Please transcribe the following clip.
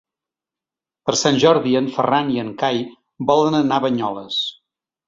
Per Sant Jordi en Ferran i en Cai volen anar a Banyoles.